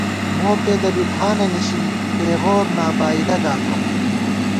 موپېدہ بی ٹھانہ نِشی ، پېغور نابائیدہ گاتہ